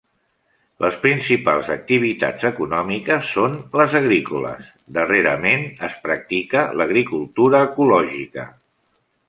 Les principals activitats econòmiques són les agrícoles, darrerament es practica l'agricultura ecològica.